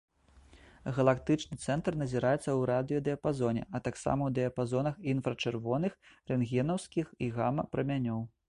Галактычны цэнтр назіраецца ў радыёдыяпазоне, а таксама ў дыяпазонах інфрачырвоных, рэнтгенаўскіх і гама-прамянёў.